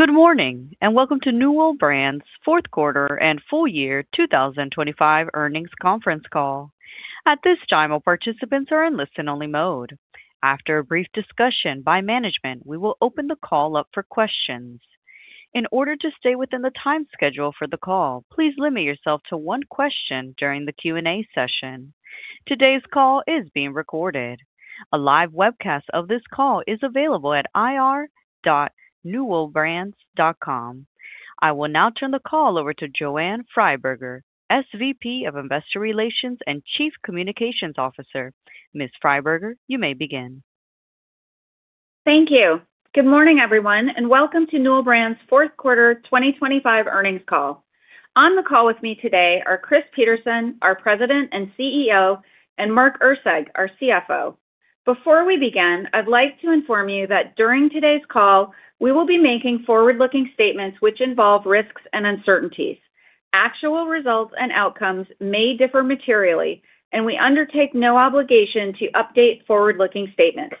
Good morning and welcome to Newell Brands' Q4 and Full-Year 2025 Earnings Conference Call. At this time, all participants are in listen-only mode. After a brief discussion by management, we will open the call up for questions. In order to stay within the time schedule for the call, please limit yourself to one question during the Q&A session. Today's call is being recorded. A live webcast of this call is available at ir.newellbrands.com. I will now turn the call over to Joanne Freiberger, SVP of Investor Relations and Chief Communications Officer. Ms. Freiberger, you may begin. Thank you. Good morning, everyone, and welcome to Newell Brands' Q4 2025 earnings call. On the call with me today are Chris Peterson, our President and CEO, and Mark Erceg, our CFO. Before we begin, I'd like to inform you that during today's call, we will be making forward-looking statements which involve risks and uncertainties. Actual results and outcomes may differ materially, and we undertake no obligation to update forward-looking statements.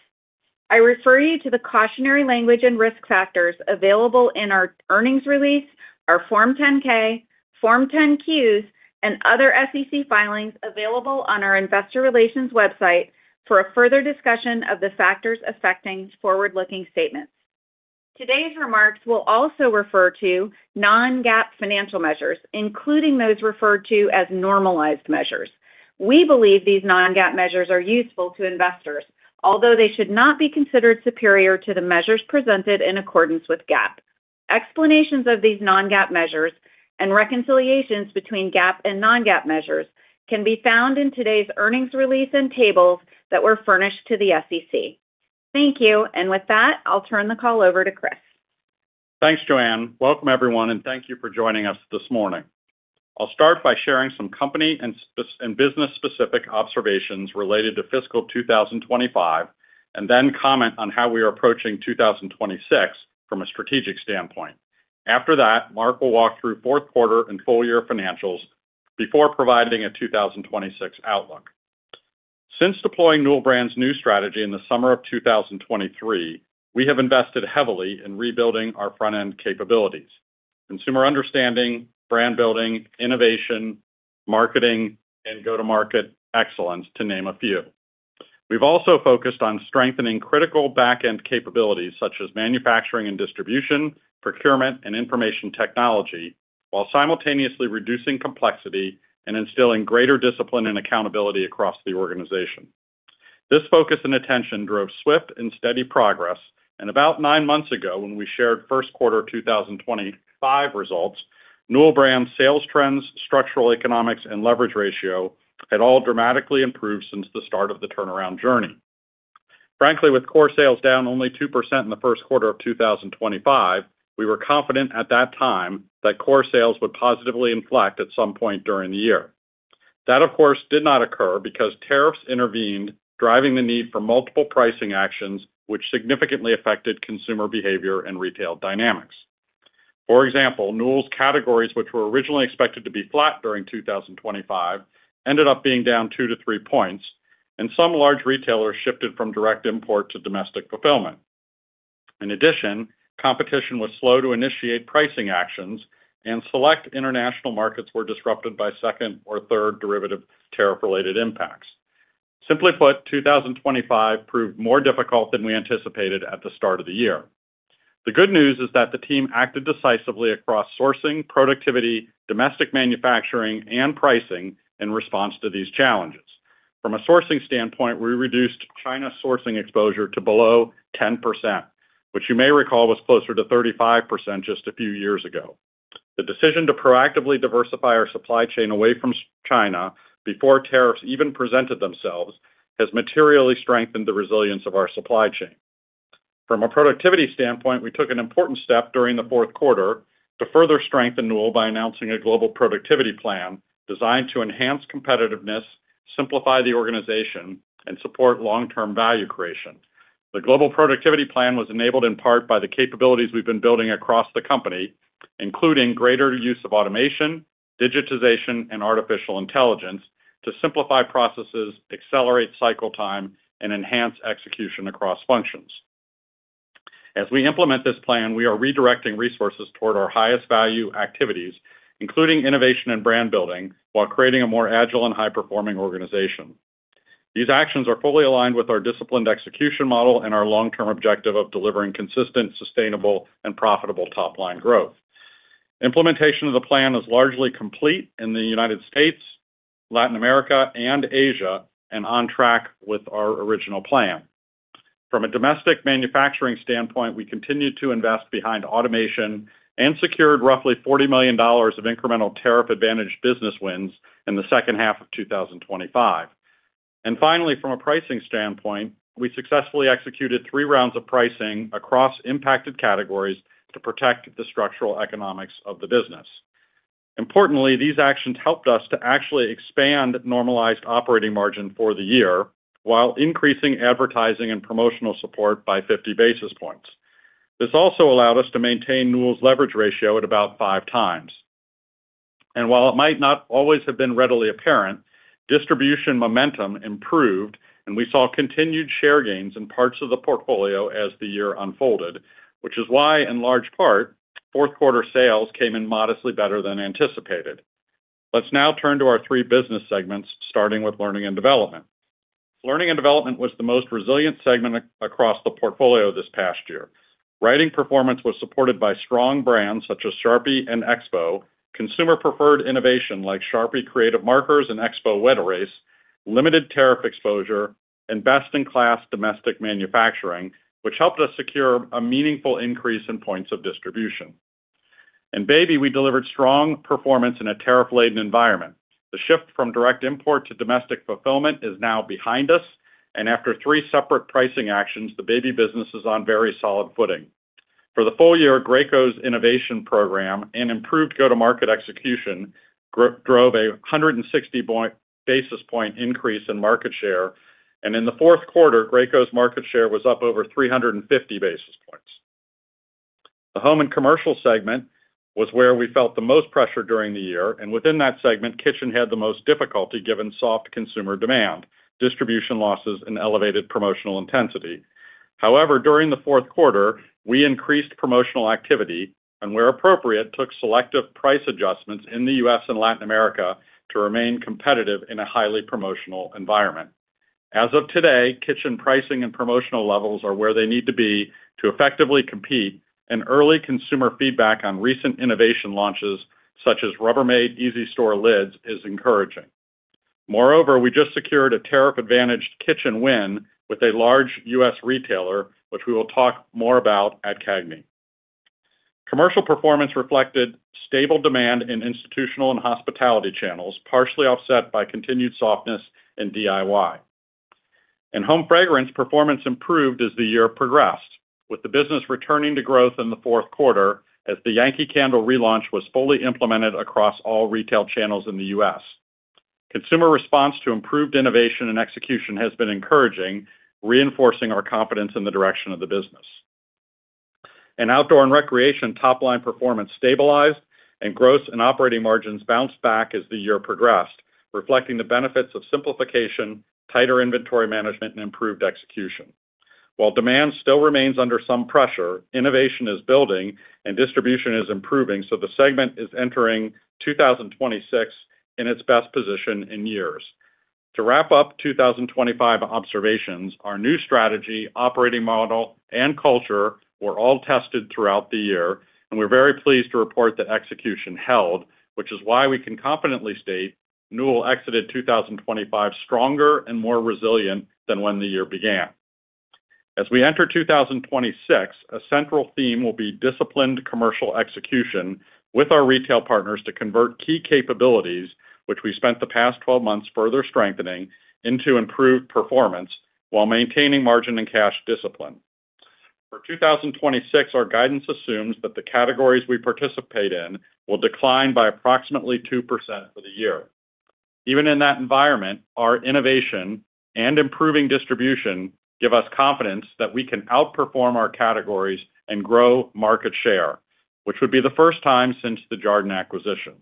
I refer you to the cautionary language and risk factors available in our earnings release, our Form 10-K, Form 10-Qs, and other SEC filings available on our Investor Relations website for a further discussion of the factors affecting forward-looking statements. Today's remarks will also refer to non-GAAP financial measures, including those referred to as normalized measures. We believe these non-GAAP measures are useful to investors, although they should not be considered superior to the measures presented in accordance with GAAP. Explanations of these non-GAAP measures and reconciliations between GAAP and non-GAAP measures can be found in today's earnings release and tables that were furnished to the SEC. Thank you, and with that, I'll turn the call over to Chris. Thanks, Joanne. Welcome, everyone, and thank you for joining us this morning. I'll start by sharing some company and business-specific observations related to fiscal 2025 and then comment on how we are approaching 2026 from a strategic standpoint. After that, Mark will walk through Q4 and full-year financials before providing a 2026 outlook. Since deploying Newell Brands' new strategy in the summer of 2023, we have invested heavily in rebuilding our front-end capabilities: consumer understanding, brand building, innovation, marketing, and go-to-market excellence, to name a few. We've also focused on strengthening critical back-end capabilities such as manufacturing and distribution, procurement, and information technology while simultaneously reducing complexity and instilling greater discipline and accountability across the organization. This focus and attention drove swift and steady progress, and about nine months ago, when we shared Q1 2025 results, Newell Brands' sales trends, structural economics, and leverage ratio had all dramatically improved since the start of the turnaround journey. Frankly, with core sales down only 2% in the Q1 of 2025, we were confident at that time that core sales would positively inflect at some point during the year. That, of course, did not occur because tariffs intervened, driving the need for multiple pricing actions which significantly affected consumer behavior and retail dynamics. For example, Newell's categories, which were originally expected to be flat during 2025, ended up being down 2-3 points, and some large retailers shifted from direct import to domestic fulfillment. In addition, competition was slow to initiate pricing actions, and select international markets were disrupted by second or third derivative tariff-related impacts. Simply put, 2025 proved more difficult than we anticipated at the start of the year. The good news is that the team acted decisively across sourcing, productivity, domestic manufacturing, and pricing in response to these challenges. From a sourcing standpoint, we reduced China sourcing exposure to below 10%, which you may recall was closer to 35% just a few years ago. The decision to proactively diversify our supply chain away from China before tariffs even presented themselves has materially strengthened the resilience of our supply chain. From a productivity standpoint, we took an important step during the Q4 to further strengthen Newell by announcing a global productivity plan designed to enhance competitiveness, simplify the organization, and support long-term value creation. The global productivity plan was enabled in part by the capabilities we've been building across the company, including greater use of automation, digitization, and artificial intelligence to simplify processes, accelerate cycle time, and enhance execution across functions. As we implement this plan, we are redirecting resources toward our highest-value activities, including innovation and brand building, while creating a more agile and high-performing organization. These actions are fully aligned with our disciplined execution model and our long-term objective of delivering consistent, sustainable, and profitable top-line growth. Implementation of the plan is largely complete in the United States, Latin America, and Asia, and on track with our original plan. From a domestic manufacturing standpoint, we continued to invest behind automation and secured roughly $40 million of incremental tariff-advantaged business wins in the H2 of 2025. And finally, from a pricing standpoint, we successfully executed three rounds of pricing across impacted categories to protect the structural economics of the business. Importantly, these actions helped us to actually expand normalized operating margin for the year while increasing advertising and promotional support by 50 basis points. This also allowed us to maintain Newell's leverage ratio at about five times. And while it might not always have been readily apparent, distribution momentum improved, and we saw continued share gains in parts of the portfolio as the year unfolded, which is why, in large part, Q4 sales came in modestly better than anticipated. Let's now turn to our three business segments, starting with Learning and Development. Learning and Development was the most resilient segment across the portfolio this past year. Writing performance was supported by strong brands such as Sharpie and Expo, consumer-preferred innovation like Sharpie Creative Markers and Expo Wet Erase, limited tariff exposure, and best-in-class domestic manufacturing, which helped us secure a meaningful increase in points of distribution. In Baby, we delivered strong performance in a tariff-laden environment. The shift from direct import to domestic fulfillment is now behind us, and after three separate pricing actions, the Baby business is on very solid footing. For the full year, Graco's innovation program and improved go-to-market execution drove a 160 basis points increase in market share, and in the Q4, Graco's market share was up over 350 basis points. The Home and Commercial segment was where we felt the most pressure during the year, and within that segment, Kitchen had the most difficulty given soft consumer demand, distribution losses, and elevated promotional intensity. However, during the Q4, we increased promotional activity and, where appropriate, took selective price adjustments in the U.S. and Latin America to remain competitive in a highly promotional environment. As of today, Kitchen pricing and promotional levels are where they need to be to effectively compete, and early consumer feedback on recent innovation launches such as Rubbermaid EasyStore lids is encouraging. Moreover, we just secured a tariff-advantaged Kitchen win with a large U.S. retailer, which we will talk more about at CAGNY. Commercial performance reflected stable demand in institutional and hospitality channels, partially offset by continued softness in DIY. In Home Fragrance, performance improved as the year progressed, with the business returning to growth in the Q4 as the Yankee Candle relaunch was fully implemented across all retail channels in the U.S. Consumer response to improved innovation and execution has been encouraging, reinforcing our confidence in the direction of the business. In Outdoor and Recreation, top-line performance stabilized, and gross and operating margins bounced back as the year progressed, reflecting the benefits of simplification, tighter inventory management, and improved execution. While demand still remains under some pressure, innovation is building, and distribution is improving, so the segment is entering 2026 in its best position in years. To wrap up 2025 observations, our new strategy, operating model, and culture were all tested throughout the year, and we're very pleased to report that execution held, which is why we can confidently state Newell exited 2025 stronger and more resilient than when the year began. As we enter 2026, a central theme will be disciplined Commercial execution with our retail partners to convert key capabilities, which we spent the past 12 months further strengthening, into improved performance while maintaining margin and cash discipline. For 2026, our guidance assumes that the categories we participate in will decline by approximately 2% for the year. Even in that environment, our innovation and improving distribution give us confidence that we can outperform our categories and grow market share, which would be the first time since the Jarden acquisition.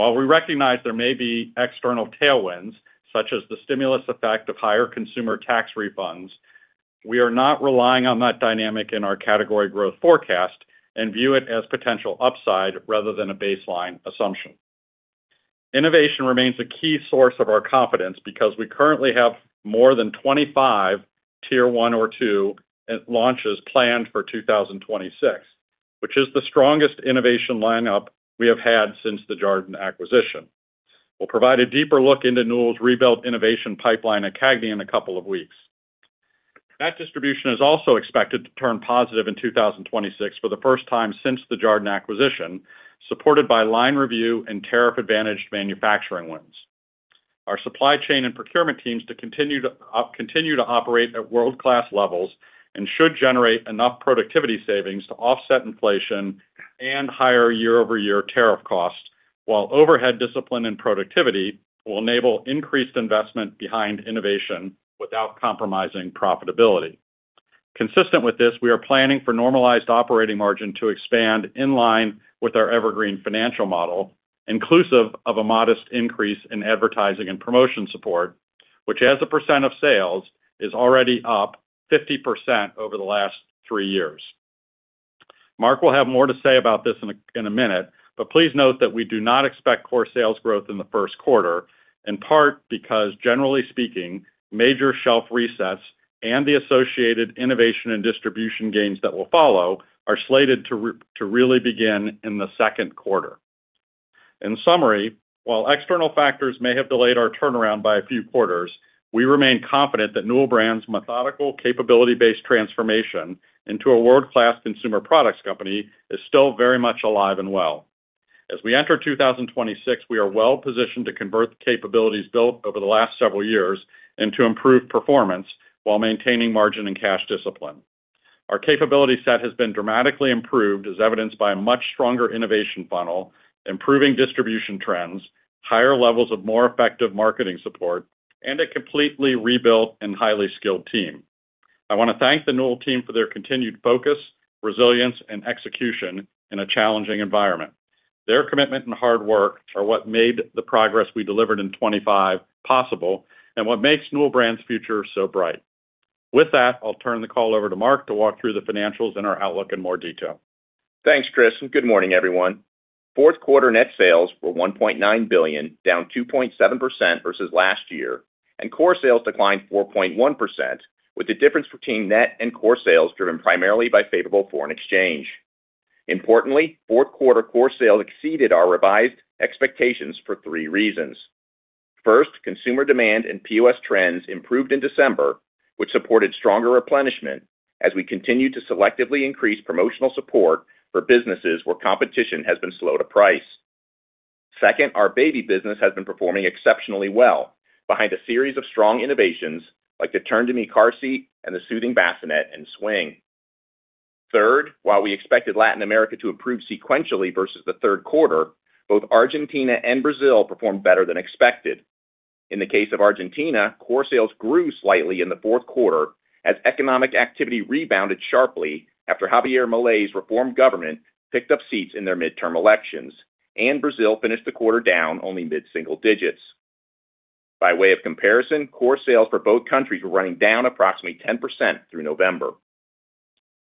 While we recognize there may be external tailwinds such as the stimulus effect of higher consumer tax refunds, we are not relying on that dynamic in our category growth forecast and view it as potential upside rather than a baseline assumption. Innovation remains a key source of our confidence because we currently have more than 25 Tier 1 or 2 launches planned for 2026, which is the strongest innovation lineup we have had since the Jarden acquisition. We'll provide a deeper look into Newell's rebuilt innovation pipeline at CAGNY in a couple of weeks. That distribution is also expected to turn positive in 2026 for the first time since the Jarden acquisition, supported by line review and tariff-advantaged manufacturing wins. Our supply chain and procurement teams continue to operate at world-class levels and should generate enough productivity savings to offset inflation and higher year-over-year tariff costs, while overhead discipline and productivity will enable increased investment behind innovation without compromising profitability. Consistent with this, we are planning for normalized operating margin to expand in line with our evergreen financial model, inclusive of a modest increase in advertising and promotion support, which, as a % of sales, is already up 50% over the last three years. Mark will have more to say about this in a minute, but please note that we do not expect core sales growth in the Q1, in part because, generally speaking, major shelf resets and the associated innovation and distribution gains that will follow are slated to really begin in the Q2. In summary, while external factors may have delayed our turnaround by a few quarters, we remain confident that Newell Brands' methodical, capability-based transformation into a world-class consumer products company is still very much alive and well. As we enter 2026, we are well positioned to convert the capabilities built over the last several years into improved performance while maintaining margin and cash discipline. Our capability set has been dramatically improved, as evidenced by a much stronger innovation funnel, improving distribution trends, higher levels of more effective marketing support, and a completely rebuilt and highly skilled team. I want to thank the Newell team for their continued focus, resilience, and execution in a challenging environment. Their commitment and hard work are what made the progress we delivered in 2025 possible and what makes Newell Brands' future so bright. With that, I'll turn the call over to Mark to walk through the financials and our outlook in more detail. Thanks, Chris, and good morning, everyone. Q4 net sales were $1.9 billion, down 2.7% versus last year, and core sales declined 4.1%, with the difference between net and core sales driven primarily by favorable foreign exchange. Importantly, Q4 core sales exceeded our revised expectations for three reasons. First, consumer demand and POS trends improved in December, which supported stronger replenishment as we continued to selectively increase promotional support for businesses where competition has been slow to price. Second, our Baby business has been performing exceptionally well, behind a series of strong innovations like the Turn2Me car seat and the soothing bassinet and swing. Third, while we expected Latin America to improve sequentially versus the Q3, both Argentina and Brazil performed better than expected. In the case of Argentina, core sales grew slightly in the Q4 as economic activity rebounded sharply after Javier Milei's reformed government picked up seats in their midterm elections, and Brazil finished the quarter down only mid-single digits. By way of comparison, core sales for both countries were running down approximately 10% through November.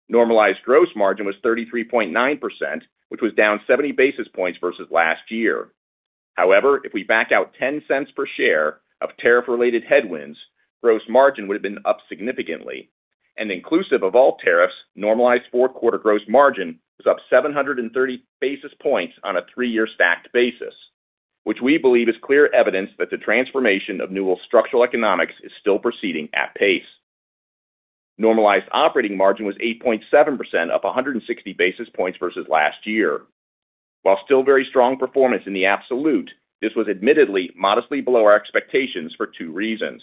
Normalized gross margin was 33.9%, which was down 70 basis points versus last year. However, if we back out $0.10 per share of tariff-related headwinds, gross margin would have been up significantly, and inclusive of all tariffs, normalized Q4 gross margin was up 730 basis points on a three-year stacked basis, which we believe is clear evidence that the transformation of Newell's structural economics is still proceeding at pace. Normalized operating margin was 8.7%, up 160 basis points versus last year. While still very strong performance in the absolute, this was admittedly modestly below our expectations for two reasons.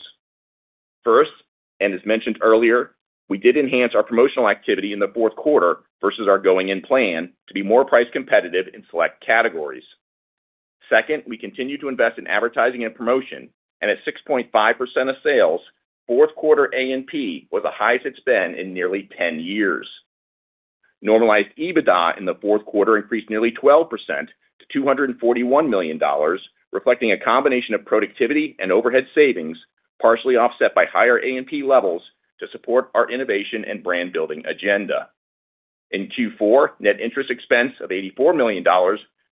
First, and as mentioned earlier, we did enhance our promotional activity in the Q4 versus our going-in plan to be more price competitive in select categories. Second, we continue to invest in advertising and promotion, and at 6.5% of sales, Q4 A&P was the highest it's been in nearly 10 years. Normalized EBITDA in the Q4 increased nearly 12% to $241 million, reflecting a combination of productivity and overhead savings, partially offset by higher A&P levels, to support our innovation and brand-building agenda. In Q4, net interest expense of $84 million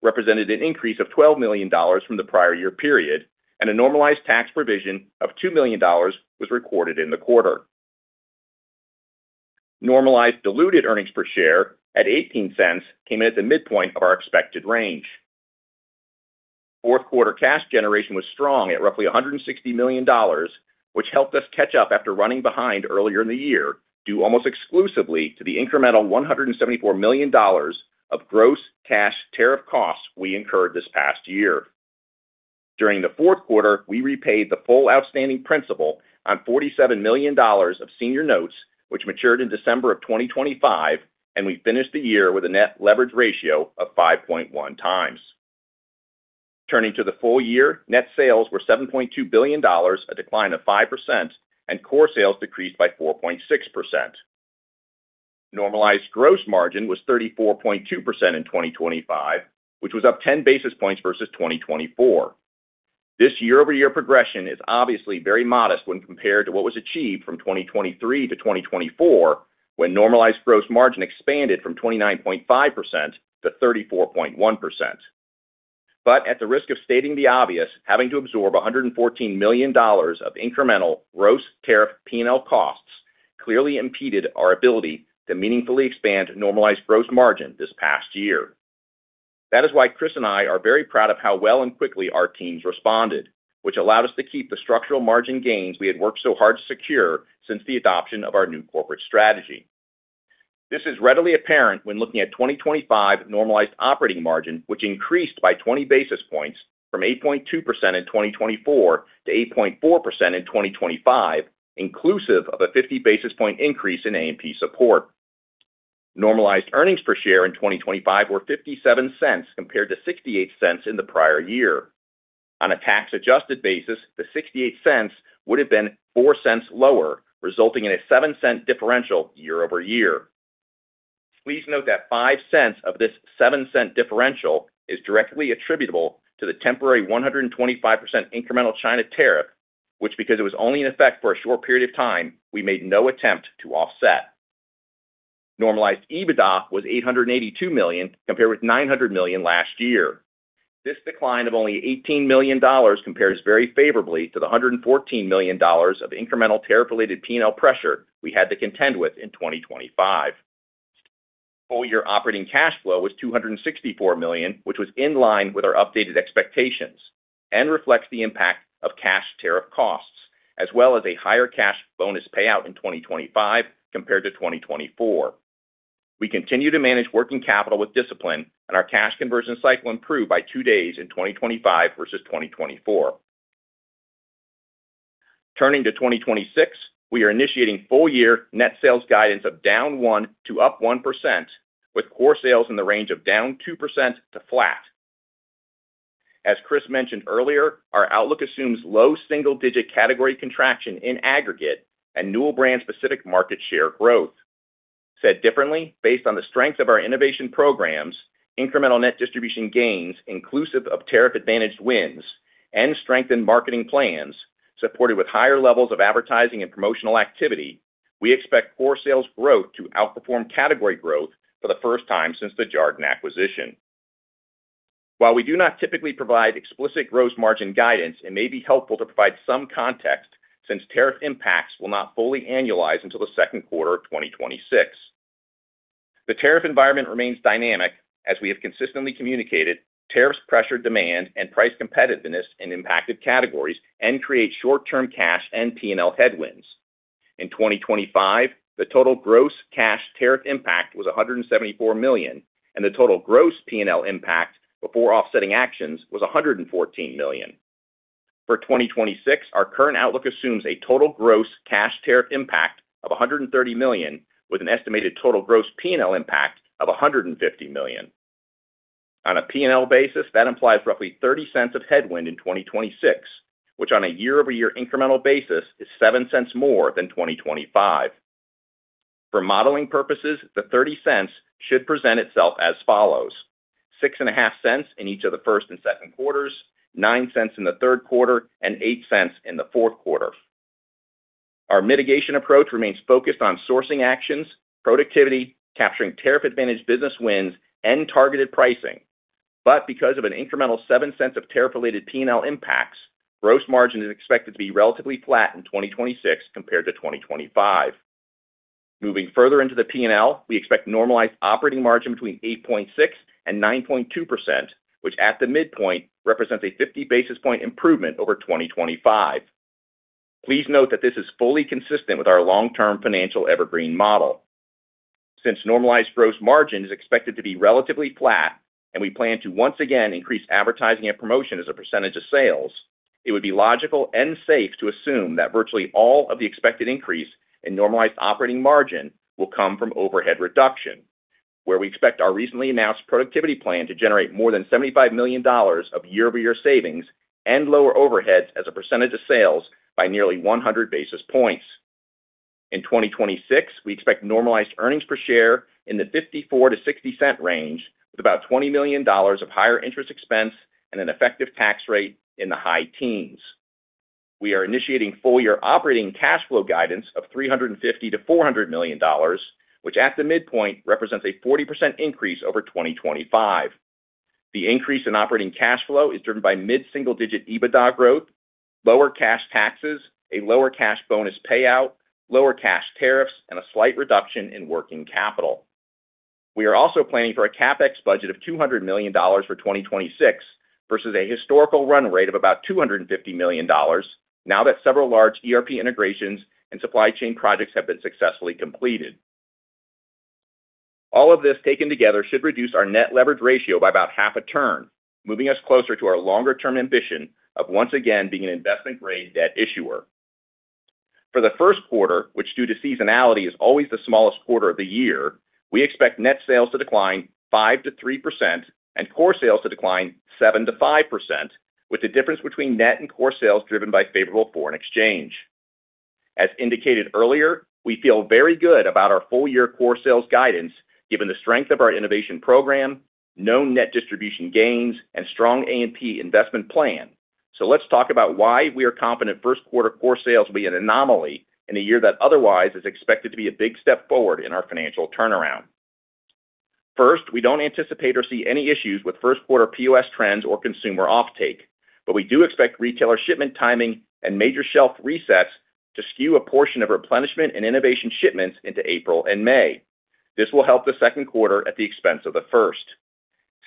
represented an increase of $12 million from the prior year period, and a normalized tax provision of $2 million was recorded in the quarter. Normalized diluted earnings per share at $0.18 came in at the midpoint of our expected range. Q4 cash generation was strong at roughly $160 million, which helped us catch up after running behind earlier in the year due almost exclusively to the incremental $174 million of gross cash tariff costs we incurred this past year. During the Q4, we repaid the full outstanding principal on $47 million of senior notes, which matured in December of 2025, and we finished the year with a net leverage ratio of 5.1x. Turning to the full year, net sales were $7.2 billion, a decline of 5%, and core sales decreased by 4.6%. Normalized gross margin was 34.2% in 2025, which was up 10 basis points versus 2024. This year-over-year progression is obviously very modest when compared to what was achieved from 2023 to 2024, when normalized gross margin expanded from 29.5%-34.1%. But at the risk of stating the obvious, having to absorb $114 million of incremental gross tariff P&L costs clearly impeded our ability to meaningfully expand normalized gross margin this past year. That is why Chris and I are very proud of how well and quickly our teams responded, which allowed us to keep the structural margin gains we had worked so hard to secure since the adoption of our new corporate strategy. This is readily apparent when looking at 2025 normalized operating margin, which increased by 20 basis points from 8.2% in 2024-8.4% in 2025, inclusive of a 50 basis point increase in A&P support. Normalized earnings per share in 2025 were $0.57 compared to $0.68 in the prior year. On a tax-adjusted basis, the $0.68 would have been $0.04 lower, resulting in a $0.07 differential year-over-year. Please note that $0.05 of this $0.07 differential is directly attributable to the temporary 125% incremental China tariff, which, because it was only in effect for a short period of time, we made no attempt to offset. Normalized EBITDA was $882 million compared with $900 million last year. This decline of only $18 million compares very favorably to the $114 million of incremental tariff-related P&L pressure we had to contend with in 2025. Full-year operating cash flow was $264 million, which was in line with our updated expectations and reflects the impact of cash tariff costs, as well as a higher cash bonus payout in 2025 compared to 2024. We continue to manage working capital with discipline, and our cash conversion cycle improved by 2 days in 2025 versus 2024. Turning to 2026, we are initiating full-year net sales guidance of down 1% to up 1%, with core sales in the range of down 2% to flat. As Chris mentioned earlier, our outlook assumes low single-digit category contraction in aggregate and Newell Brands-specific market share growth. Said differently, based on the strength of our innovation programs, incremental net distribution gains inclusive of tariff-advantaged wins, and strengthened marketing plans supported with higher levels of advertising and promotional activity, we expect core sales growth to outperform category growth for the first time since the Jarden acquisition. While we do not typically provide explicit gross margin guidance, it may be helpful to provide some context since tariff impacts will not fully annualize until the Q2 of 2026. The tariff environment remains dynamic, as we have consistently communicated, tariffs pressure demand and price competitiveness in impacted categories and create short-term cash and P&L headwinds. In 2025, the total gross cash tariff impact was $174 million, and the total gross P&L impact before offsetting actions was $114 million. For 2026, our current outlook assumes a total gross cash tariff impact of $130 million, with an estimated total gross P&L impact of $150 million. On a P&L basis, that implies roughly $0.30 of headwind in 2026, which on a year-over-year incremental basis is $0.07 more than 2025. For modeling purposes, the $0.30 should present itself as follows: $0.065 in each of the first and Q2s, $0.09 in the Q3, and $0.08 in the Q4. Our mitigation approach remains focused on sourcing actions, productivity, capturing tariff-advantaged business wins, and targeted pricing, but because of an incremental $0.07 of tariff-related P&L impacts, gross margin is expected to be relatively flat in 2026 compared to 2025. Moving further into the P&L, we expect normalized operating margin between 8.6% and 9.2%, which at the midpoint represents a 50 basis point improvement over 2025. Please note that this is fully consistent with our long-term financial evergreen model. Since normalized gross margin is expected to be relatively flat and we plan to once again increase advertising and promotion as a percentage of sales, it would be logical and safe to assume that virtually all of the expected increase in normalized operating margin will come from overhead reduction, where we expect our recently announced productivity plan to generate more than $75 million of year-over-year savings and lower overheads as a percentage of sales by nearly 100 basis points. In 2026, we expect normalized earnings per share in the $0.54-$0.60 range, with about $20 million of higher interest expense and an effective tax rate in the high teens. We are initiating full-year operating cash flow guidance of $350-$400 million, which at the midpoint represents a 40% increase over 2025. The increase in operating cash flow is driven by mid-single-digit EBITDA growth, lower cash taxes, a lower cash bonus payout, lower cash tariffs, and a slight reduction in working capital. We are also planning for a CapEx budget of $200 million for 2026 versus a historical run rate of about $250 million, now that several large ERP integrations and supply chain projects have been successfully completed. All of this taken together should reduce our net leverage ratio by about half a turn, moving us closer to our longer-term ambition of once again being an investment-grade debt issuer. For the Q1, which due to seasonality is always the smallest quarter of the year, we expect net sales to decline 5%-3% and core sales to decline 7%-5%, with the difference between net and core sales driven by favorable foreign exchange. As indicated earlier, we feel very good about our full-year core sales guidance given the strength of our innovation program, known net distribution gains, and strong A&P investment plan, so let's talk about why we are confident first-quarter core sales will be an anomaly in a year that otherwise is expected to be a big step forward in our financial turnaround. First, we don't anticipate or see any issues with first-quarter POS trends or consumer offtake, but we do expect retailer shipment timing and major shelf resets to skew a portion of replenishment and innovation shipments into April and May. This will help the Q2 at the expense of the first.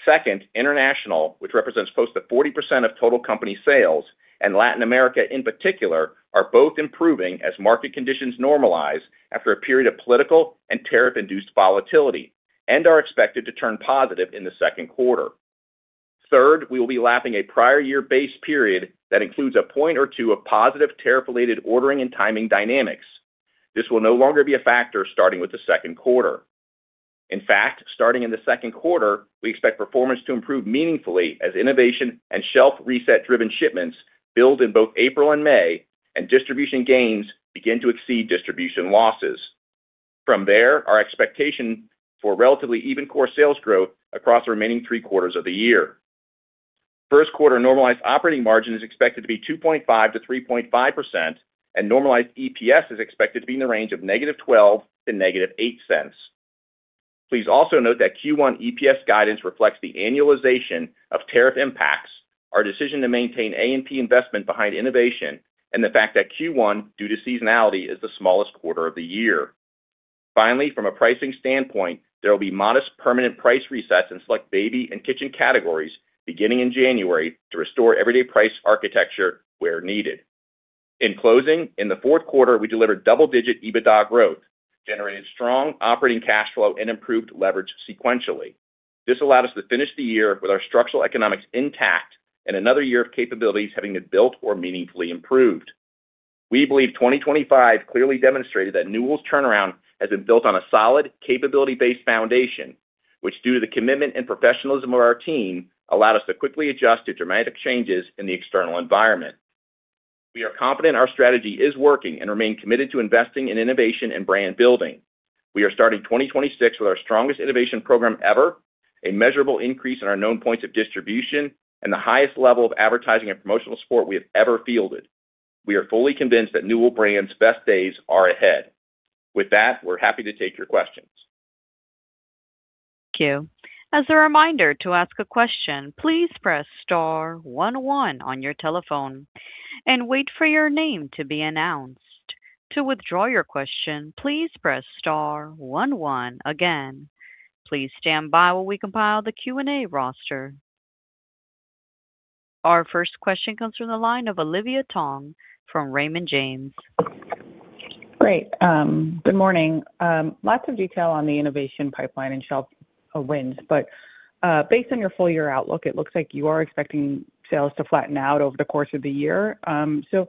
Second, international, which represents close to 40% of total company sales, and Latin America in particular, are both improving as market conditions normalize after a period of political and tariff-induced volatility and are expected to turn positive in the Q2. Third, we will be lapping a prior-year base period that includes a point or two of positive tariff-related ordering and timing dynamics. This will no longer be a factor starting with the Q2. In fact, starting in the Q2, we expect performance to improve meaningfully as innovation and shelf reset-driven shipments build in both April and May and distribution gains begin to exceed distribution losses. From there, our expectation for relatively even core sales growth across the remaining three quarters of the year. First-quarter normalized operating margin is expected to be 2.5%-3.5%, and normalized EPS is expected to be in the range of -$0.12 to -$0.08. Please also note that Q1 EPS guidance reflects the annualization of tariff impacts, our decision to maintain A&P investment behind innovation, and the fact that Q1, due to seasonality, is the smallest quarter of the year. Finally, from a pricing standpoint, there will be modest permanent price resets in select Baby and Kitchen categories beginning in January to restore everyday price architecture where needed. In closing, in the Q4, we delivered double-digit EBITDA growth, generated strong operating cash flow, and improved leverage sequentially. This allowed us to finish the year with our structural economics intact and another year of capabilities having been built or meaningfully improved. We believe 2025 clearly demonstrated that Newell Brands' turnaround has been built on a solid capability-based foundation, which, due to the commitment and professionalism of our team, allowed us to quickly adjust to dramatic changes in the external environment. We are confident our strategy is working and remain committed to investing in innovation and brand-building. We are starting 2026 with our strongest innovation program ever, a measurable increase in our known points of distribution, and the highest level of advertising and promotional support we have ever fielded. We are fully convinced that Newell Brands' best days are ahead. With that, we're happy to take your questions. Thank you. As a reminder to ask a question, please press star 11 on your telephone and wait for your name to be announced. To withdraw your question, please press star 11 again. Please stand by while we compile the Q&A roster. Our first question comes from the line of Olivia Tong from Raymond James. Great. Good morning. Lots of detail on the innovation pipeline and shelf wins, but based on your full-year outlook, it looks like you are expecting sales to flatten out over the course of the year. So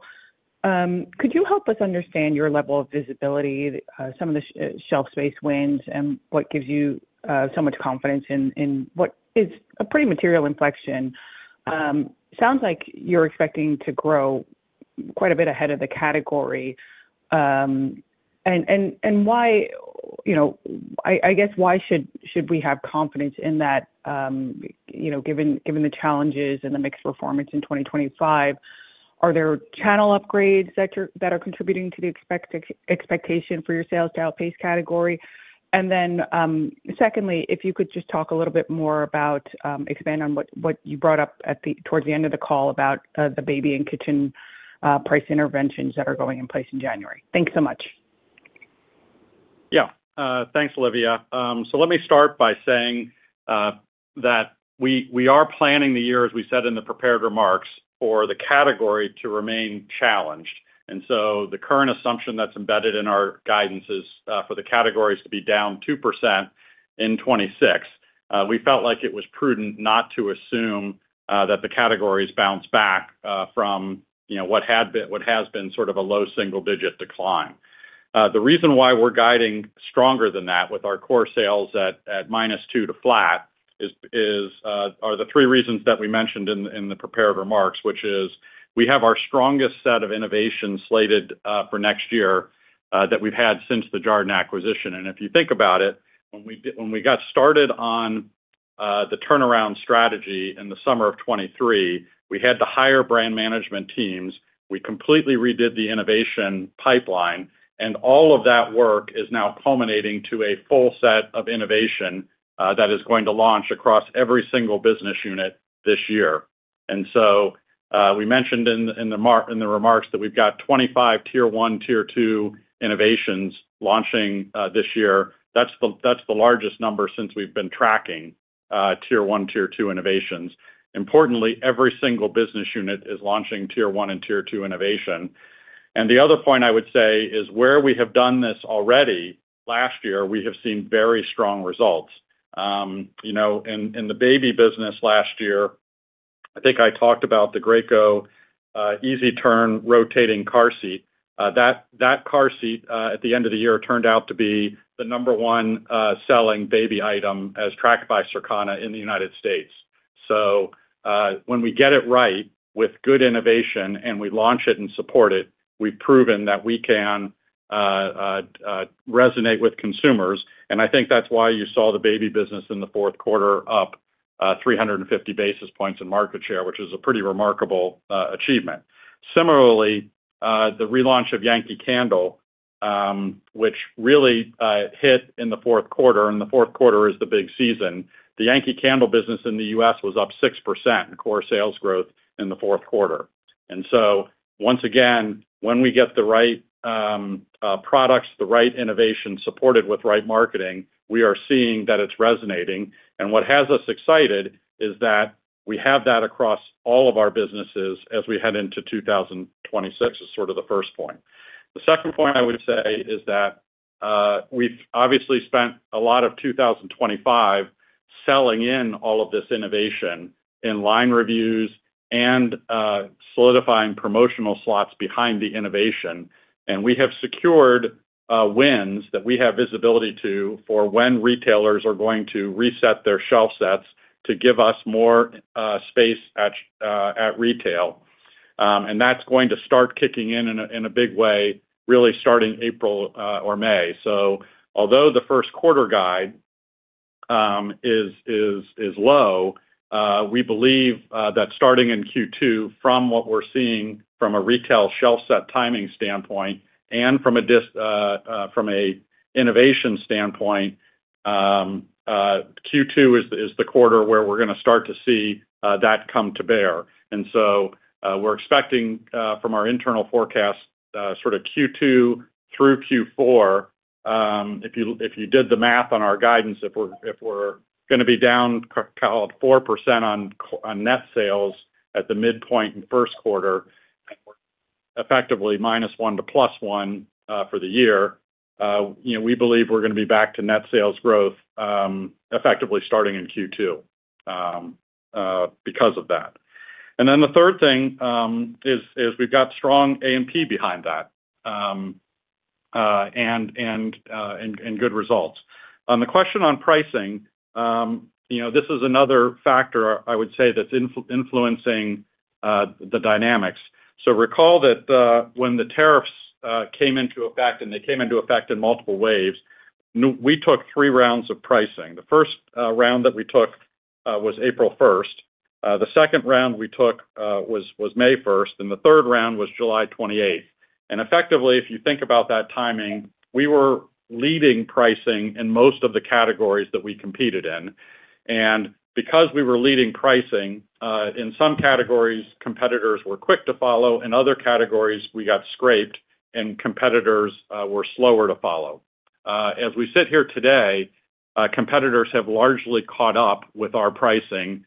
could you help us understand your level of visibility, some of the shelf space wins, and what gives you so much confidence in what is a pretty material inflection? Sounds like you're expecting to grow quite a bit ahead of the category. And I guess why should we have confidence in that given the challenges and the mixed performance in 2025? Are there channel upgrades that are contributing to the expectation for your sales to outpace category? And then secondly, if you could just talk a little bit more about expand on what you brought up towards the end of the call about the Baby and Kitchen price interventions that are going in place in January? Thanks so much. Yeah. Thanks, Olivia. So let me start by saying that we are planning the year, as we said in the prepared remarks, for the category to remain challenged. And so the current assumption that's embedded in our guidance is for the categories to be down 2% in 2026. We felt like it was prudent not to assume that the categories bounce back from what has been sort of a low single-digit decline. The reason why we're guiding stronger than that with our core sales at -2% to flat are the three reasons that we mentioned in the prepared remarks, which is we have our strongest set of innovation slated for next year that we've had since the Jarden acquisition. And if you think about it, when we got started on the turnaround strategy in the summer of 2023, we had to hire brand management teams. We completely redid the innovation pipeline, and all of that work is now culminating to a full set of innovation that is going to launch across every single business unit this year. And so we mentioned in the remarks that we've got 25 Tier 1, Tier 2 innovations launching this year. That's the largest number since we've been tracking Tier 1, Tier 2 innovations. Importantly, every single business unit is launching Tier 1 and Tier 2 innovation. And the other point I would say is where we have done this already last year, we have seen very strong results. In the Baby business last year, I think I talked about the Graco easy-turn rotating car seat. That car seat, at the end of the year, turned out to be the number one selling Baby item as tracked by Circana in the United States. So when we get it right with good innovation and we launch it and support it, we've proven that we can resonate with consumers. And I think that's why you saw the Baby business in the Q4 up 350 basis points in market share, which is a pretty remarkable achievement. Similarly, the relaunch of Yankee Candle, which really hit in the Q4, and the Q4 is the big season, the Yankee Candle business in the U.S. was up 6% in core sales growth in the Q4. And so once again, when we get the right products, the right innovation supported with right marketing, we are seeing that it's resonating. And what has us excited is that we have that across all of our businesses as we head into 2026 is sort of the first point. The second point I would say is that we've obviously spent a lot of 2025 selling in all of this innovation in line reviews and solidifying promotional slots behind the innovation. And we have secured wins that we have visibility to for when retailers are going to reset their shelf sets to give us more space at retail. And that's going to start kicking in in a big way, really starting April or May. So although the Q1 guide is low, we believe that starting in Q2, from what we're seeing from a retail shelf set timing standpoint and from an innovation standpoint, Q2 is the quarter where we're going to start to see that come to bear. And so we're expecting from our internal forecast sort of Q2 through Q4, if you did the math on our guidance, if we're going to be down, call it, 4% on net sales at the midpoint in Q1, effectively -1% to +1% for the year, we believe we're going to be back to net sales growth effectively starting in Q2 because of that. And then the third thing is we've got strong A&P behind that and good results. On the question on pricing, this is another factor, I would say, that's influencing the dynamics. So recall that when the tariffs came into effect and they came into effect in multiple waves, we took three rounds of pricing. The first round that we took was April 1st. The second round we took was May 1st. And the third round was July 28th. Effectively, if you think about that timing, we were leading pricing in most of the categories that we competed in. Because we were leading pricing, in some categories, competitors were quick to follow. In other categories, we got scraped, and competitors were slower to follow. As we sit here today, competitors have largely caught up with our pricing.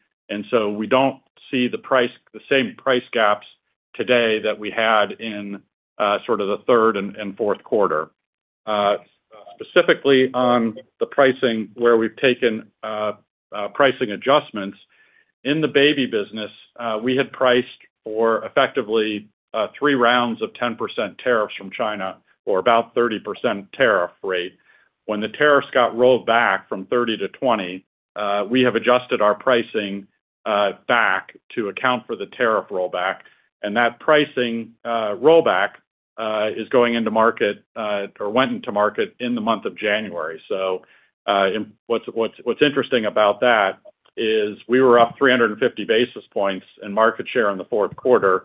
So we don't see the same price gaps today that we had in sort of the third and Q4. Specifically on the pricing where we've taken pricing adjustments, in the Baby business, we had priced for effectively three rounds of 10% tariffs from China or about 30% tariff rate. When the tariffs got rolled back from 30% to 20%, we have adjusted our pricing back to account for the tariff rollback. That pricing rollback is going into market or went into market in the month of January. So what's interesting about that is we were up 350 basis points in market share in the Q4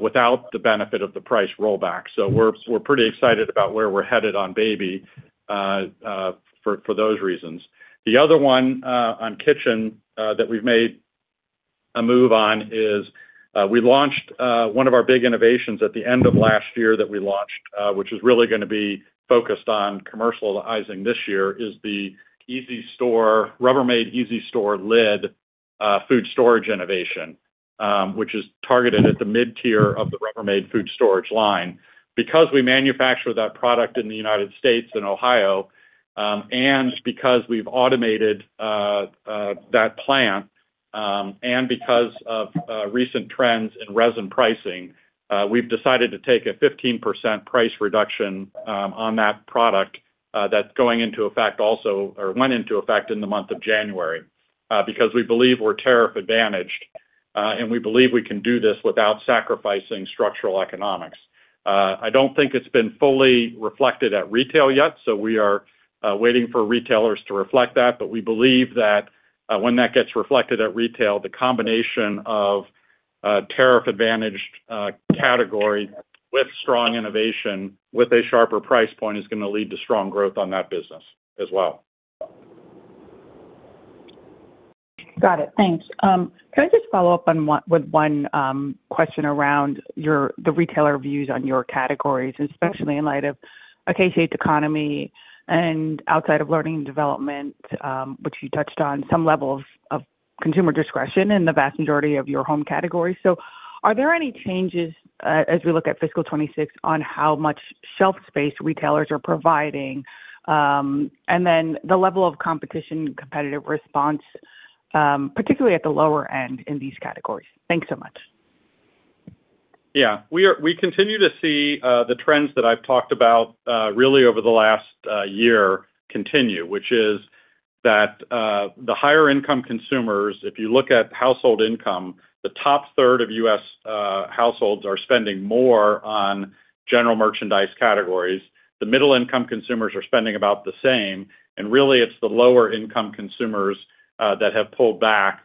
without the benefit of the price rollback. So we're pretty excited about where we're headed on Baby for those reasons. The other one on kitchen that we've made a move on is we launched one of our big innovations at the end of last year that we launched, which is really going to be focused on commercializing this year, is the Rubbermaid EasyStore lid food storage innovation, which is targeted at the mid-tier of the Rubbermaid food storage line. Because we manufacture that product in the United States and Ohio, and because we've automated that plant, and because of recent trends in resin pricing, we've decided to take a 15% price reduction on that product that's going into effect also or went into effect in the month of January because we believe we're tariff-advantaged, and we believe we can do this without sacrificing structural economics. I don't think it's been fully reflected at retail yet, so we are waiting for retailers to reflect that. But we believe that when that gets reflected at retail, the combination of tariff-advantaged category with strong innovation with a sharper price point is going to lead to strong growth on that business as well. Got it. Thanks. Can I just follow up with one question around the retailer views on your categories, especially in light of a cautious economy and outside of learning and development, which you touched on, some level of consumer discretionary in the vast majority of your home categories? So are there any changes, as we look at fiscal 2026, on how much shelf space retailers are providing and then the level of competition and competitive response, particularly at the lower end in these categories? Thanks so much. Yeah. We continue to see the trends that I've talked about really over the last year continue, which is that the higher-income consumers, if you look at household income, the top third of U.S. households are spending more on general merchandise categories. The middle-income consumers are spending about the same. And really, it's the lower-income consumers that have pulled back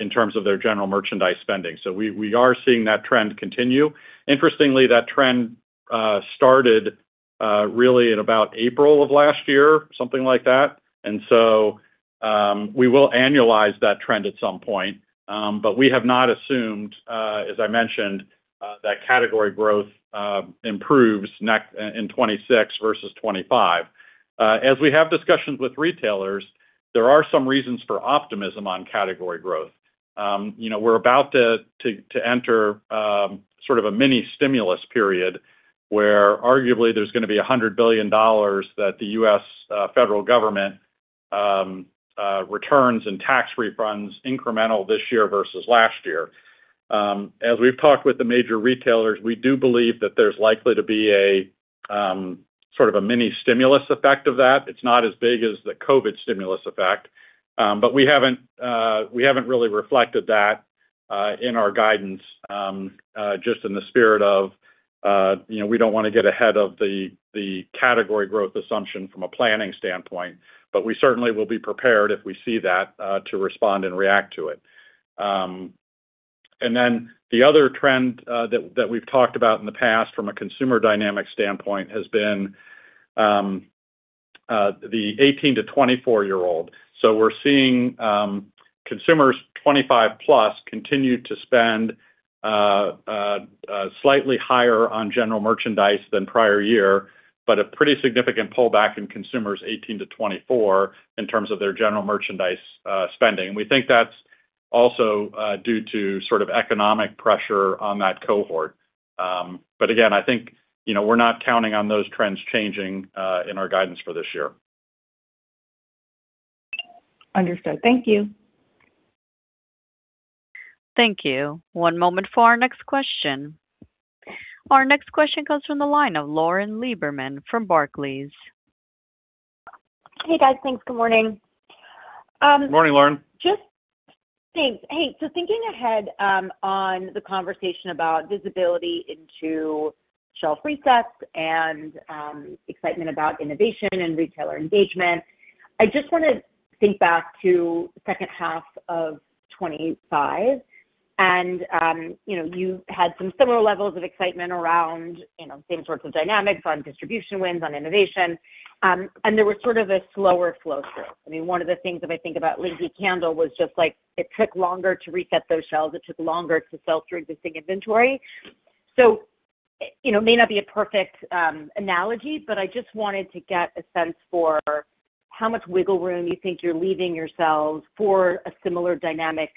in terms of their general merchandise spending. So we are seeing that trend continue. Interestingly, that trend started really in about April of last year, something like that. And so we will annualize that trend at some point. But we have not assumed, as I mentioned, that category growth improves in 2026 versus 2025. As we have discussions with retailers, there are some reasons for optimism on category growth. We're about to enter sort of a mini-stimulus period where, arguably, there's going to be $100 billion that the U.S. federal government returns and tax refunds incremental this year versus last year. As we've talked with the major retailers, we do believe that there's likely to be sort of a mini-stimulus effect of that. It's not as big as the COVID stimulus effect. But we haven't really reflected that in our guidance just in the spirit of we don't want to get ahead of the category growth assumption from a planning standpoint. But we certainly will be prepared, if we see that, to respond and react to it. And then the other trend that we've talked about in the past from a consumer dynamic standpoint has been the 18-24-year-old. We're seeing consumers 25-plus continue to spend slightly higher on general merchandise than prior year, but a pretty significant pullback in consumers 18 to 24 in terms of their general merchandise spending. We think that's also due to sort of economic pressure on that cohort. Again, I think we're not counting on those trends changing in our guidance for this year. Understood. Thank you. Thank you. One moment for our next question. Our next question comes from the line of Lauren Lieberman from Barclays. Hey, guys. Thanks. Good morning. Good morning, Lauren. Hey, so thinking ahead on the conversation about visibility into shelf resets and excitement about innovation and retailer engagement, I just want to think back to the H2 of 2025. You had some similar levels of excitement around same sorts of dynamics on distribution wins, on innovation. There was sort of a slower flow through. I mean, one of the things that I think about Yankee Candle was just it took longer to reset those shelves. It took longer to sell through existing inventory. So it may not be a perfect analogy, but I just wanted to get a sense for how much wiggle room you think you're leaving yourselves for a similar dynamic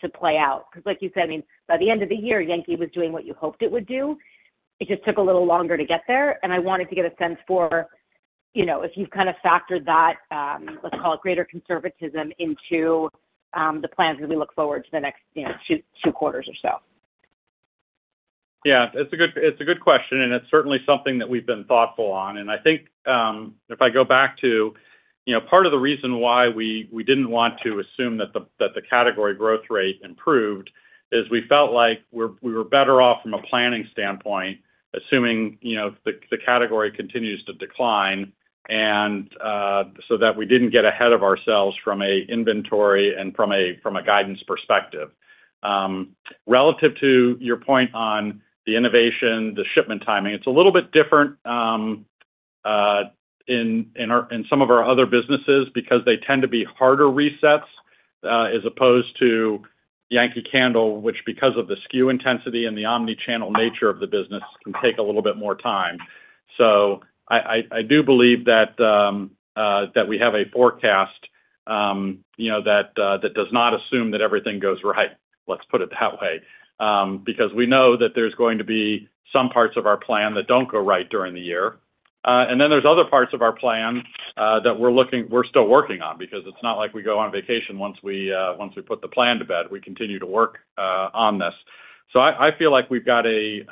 to play out. Because like you said, I mean, by the end of the year, Yankee was doing what you hoped it would do. It just took a little longer to get there. I wanted to get a sense for if you've kind of factored that, let's call it, greater conservatism into the plans as we look forward to the next two quarters or so? Yeah. It's a good question, and it's certainly something that we've been thoughtful on. I think if I go back to part of the reason why we didn't want to assume that the category growth rate improved is we felt like we were better off from a planning standpoint assuming the category continues to decline so that we didn't get ahead of ourselves from an inventory and from a guidance perspective. Relative to your point on the innovation, the shipment timing, it's a little bit different in some of our other businesses because they tend to be harder resets as opposed to Yankee Candle, which, because of the SKU intensity and the omnichannel nature of the business, can take a little bit more time. So I do believe that we have a forecast that does not assume that everything goes right, let's put it that way, because we know that there's going to be some parts of our plan that don't go right during the year. And then there's other parts of our plan that we're still working on because it's not like we go on vacation once we put the plan to bed. We continue to work on this. So I feel like we've got a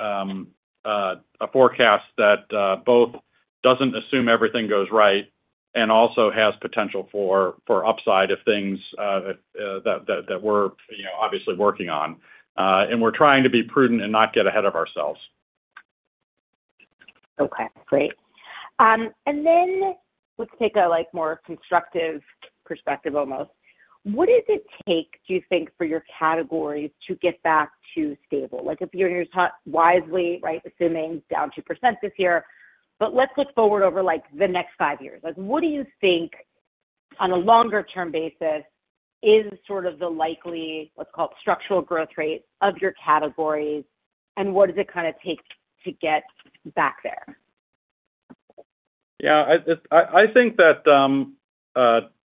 forecast that both doesn't assume everything goes right and also has potential for upside if things that we're obviously working on. And we're trying to be prudent and not get ahead of ourselves. Okay. Great. And then let's take a more constructive perspective almost. What does it take, do you think, for your categories to get back to stable? If you're wisely, right, assuming down 2% this year, but let's look forward over the next five years. What do you think, on a longer-term basis, is sort of the likely, let's call it, structural growth rate of your categories, and what does it kind of take to get back there? Yeah. I think that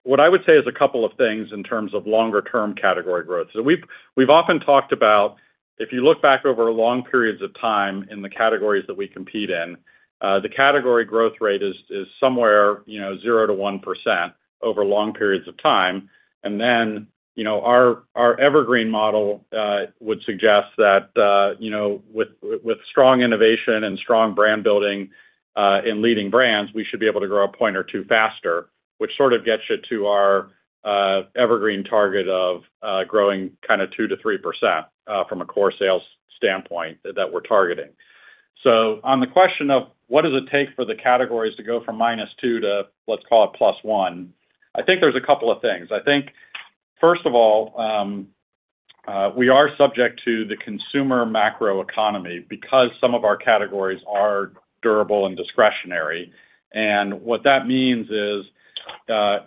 what I would say is a couple of things in terms of longer-term category growth. So we've often talked about if you look back over long periods of time in the categories that we compete in, the category growth rate is somewhere 0%-1% over long periods of time. And then our evergreen model would suggest that with strong innovation and strong brand building in leading brands, we should be able to grow a point or two faster, which sort of gets you to our evergreen target of growing kind of 2%-3% from a core sales standpoint that we're targeting. So on the question of what does it take for the categories to go from -2% to, let's call it, +1%, I think there's a couple of things. I think, first of all, we are subject to the consumer macroeconomy because some of our categories are durable and discretionary. And what that means is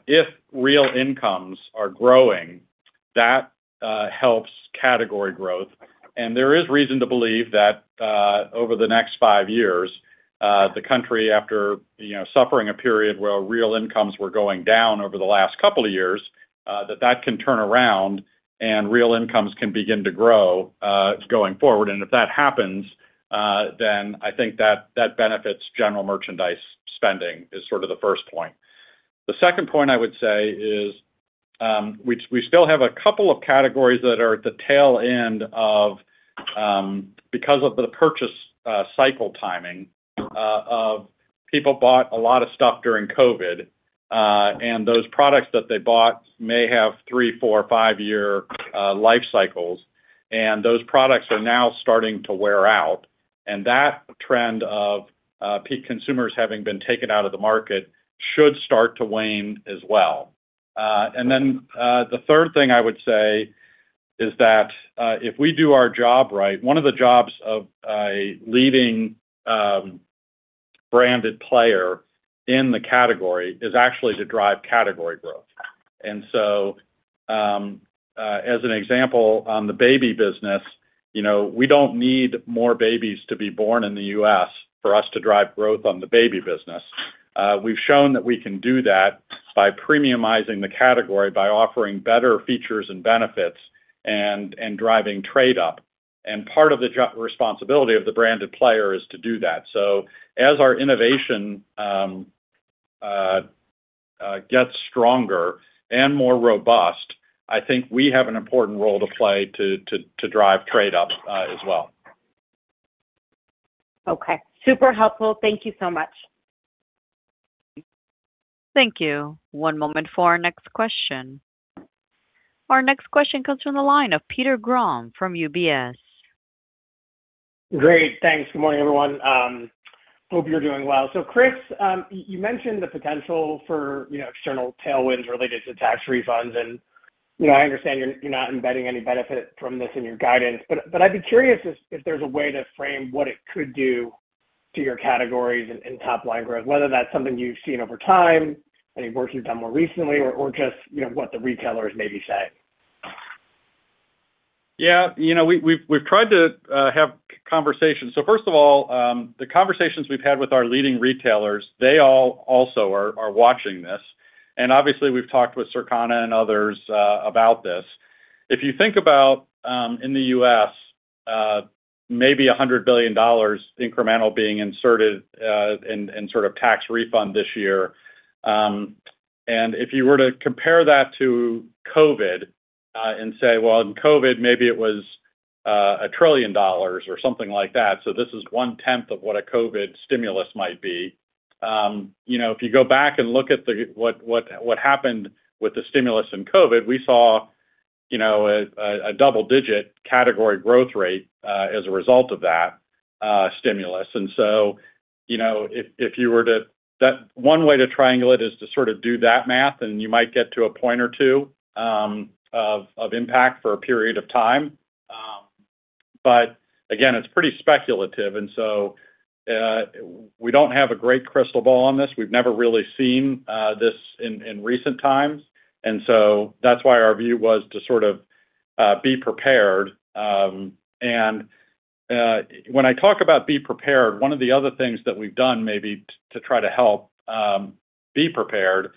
if real incomes are growing, that helps category growth. And there is reason to believe that over the next 5 years, the country, after suffering a period where real incomes were going down over the last couple of years, that that can turn around and real incomes can begin to grow going forward. And if that happens, then I think that benefits general merchandise spending is sort of the first point. The second point, I would say, is we still have a couple of categories that are at the tail end of because of the purchase cycle timing of people bought a lot of stuff during COVID. And those products that they bought may have 3-, 4-, 5-year life cycles. Those products are now starting to wear out. That trend of consumers having been taken out of the market should start to wane as well. Then the third thing I would say is that if we do our job right, one of the jobs of a leading branded player in the category is actually to drive category growth. So as an example, on the Baby business, we don't need more babies to be born in the U.S. for us to drive growth on the Baby business. We've shown that we can do that by premiumizing the category, by offering better features and benefits, and driving trade up. Part of the responsibility of the branded player is to do that. As our innovation gets stronger and more robust, I think we have an important role to play to drive trade up as well. Okay. Super helpful. Thank you so much. Thank you. One moment for our next question. Our next question comes from the line of Peter Grom from UBS. Great. Thanks. Good morning, everyone. Hope you're doing well. So Chris, you mentioned the potential for external tailwinds related to tax refunds. And I understand you're not embedding any benefit from this in your guidance. But I'd be curious if there's a way to frame what it could do to your categories and top-line growth, whether that's something you've seen over time, any work you've done more recently, or just what the retailers may be saying? Yeah. We've tried to have conversations. So first of all, the conversations we've had with our leading retailers, they all also are watching this. And obviously, we've talked with Circana and others about this. If you think about, in the US, maybe $100 billion incremental being inserted and sort of tax refund this year. And if you were to compare that to COVID and say, "Well, in COVID, maybe it was $1 trillion or something like that. So this is one-tenth of what a COVID stimulus might be." If you go back and look at what happened with the stimulus in COVID, we saw a double-digit category growth rate as a result of that stimulus. And so, if you were to one way to triangle it is to sort of do that math, and you might get to a point or two of impact for a period of time. But again, it's pretty speculative. And so we don't have a great crystal ball on this. We've never really seen this in recent times. And so that's why our view was to sort of be prepared. And when I talk about be prepared, one of the other things that we've done maybe to try to help be prepared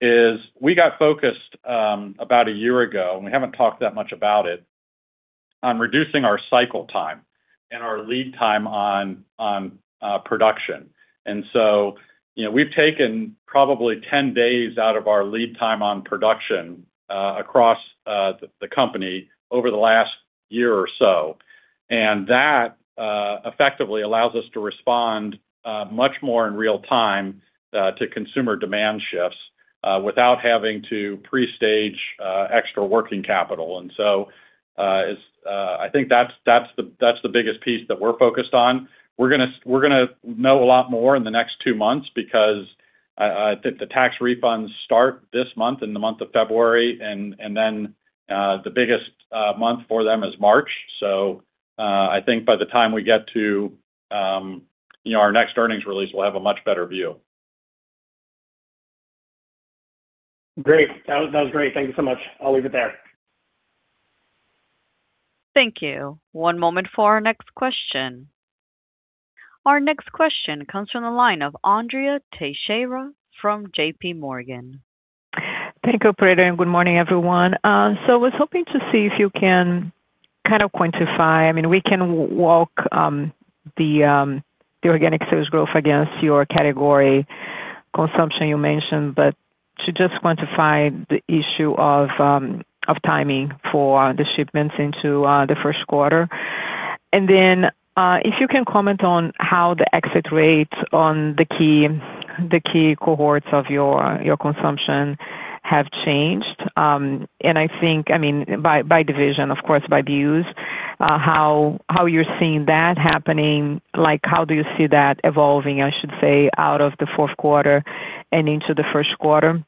is we got focused about a year ago - and we haven't talked that much about it - on reducing our cycle time and our lead time on production. And so we've taken probably 10 days out of our lead time on production across the company over the last year or so. That effectively allows us to respond much more in real time to consumer demand shifts without having to pre-stage extra working capital. So I think that's the biggest piece that we're focused on. We're going to know a lot more in the next two months because I think the tax refunds start this month in the month of February, and then the biggest month for them is March. So I think by the time we get to our next earnings release, we'll have a much better view. Great. That was great. Thank you so much. I'll leave it there. Thank you. One moment for our next question. Our next question comes from the line of Andrea Teixeira from JPMorgan. Thank you, Operator. Good morning, everyone. I was hoping to see if you can kind of quantify. I mean, we can walk the organic sales growth against your category consumption you mentioned, but to just quantify the issue of timing for the shipments into the Q1. Then if you can comment on how the exit rates on the key cohorts of your consumption have changed. I mean, by division, of course, by views, how you're seeing that happening. How do you see that evolving, I should say, out of the Q4 and into the Q1?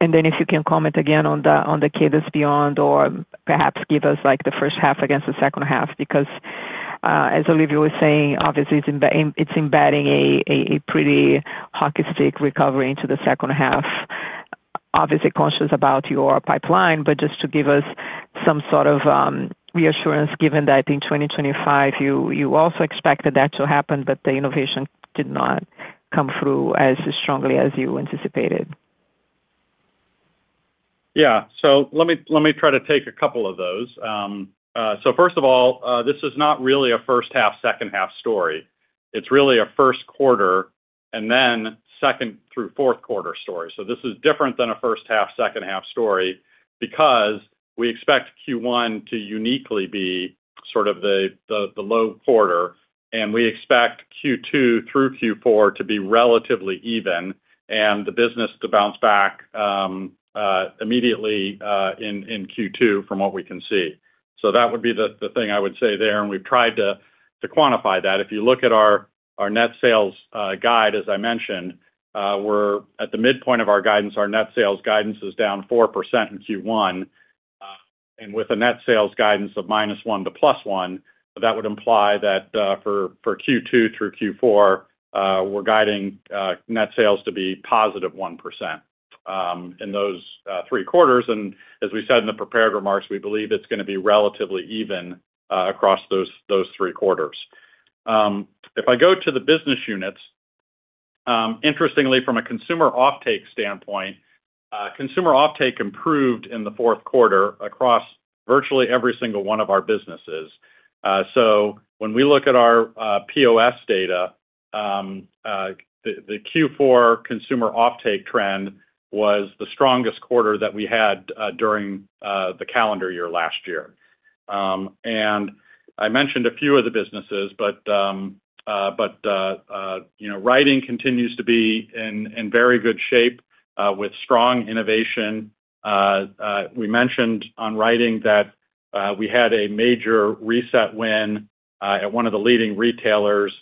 And then if you can comment again on the cadence beyond or perhaps give us the H1 against the H2 because, as Olivia was saying, obviously, it's embedding a pretty hockey stick recovery into the H2, obviously conscious about your pipeline, but just to give us some sort of reassurance given that in 2025, you also expected that to happen, but the innovation did not come through as strongly as you anticipated. Yeah. So let me try to take a couple of those. So first of all, this is not really a first-half, second-half story. It's really a Q1 and then second through Q4 story. So this is different than a first-half, second-half story because we expect Q1 to uniquely be sort of the low quarter. And we expect Q2 through Q4 to be relatively even, and the business to bounce back immediately in Q2 from what we can see. So that would be the thing I would say there. And we've tried to quantify that. If you look at our net sales guide, as I mentioned, we're at the midpoint of our guidance. Our net sales guidance is down 4% in Q1. With a net sales guidance of -1% to +1%, that would imply that for Q2 through Q4, we're guiding net sales to be +1% in those three quarters. As we said in the prepared remarks, we believe it's going to be relatively even across those three quarters. If I go to the business units, interestingly, from a consumer offtake standpoint, consumer offtake improved in the Q4 across virtually every single one of our businesses. When we look at our POS data, the Q4 consumer offtake trend was the strongest quarter that we had during the calendar year last year. I mentioned a few of the businesses, but Writing continues to be in very good shape with strong innovation. We mentioned on Writing that we had a major reset win at one of the leading retailers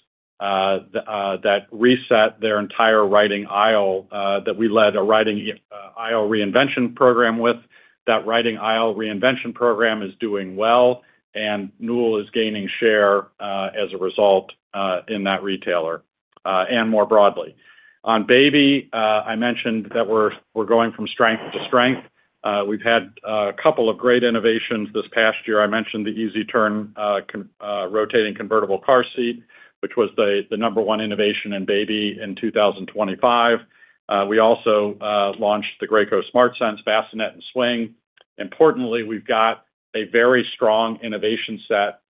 that reset their entire Writing aisle that we led a Writing aisle reinvention program with. That Writing aisle reinvention program is doing well, and Newell is gaining share as a result in that retailer and more broadly. On Baby, I mentioned that we're going from strength to strength. We've had a couple of great innovations this past year. I mentioned the Turn2Me rotating convertible car seat, which was the number one innovation in Baby in 2025. We also launched the Graco SmartSense Bassinet and Swing. Importantly, we've got a very strong innovation set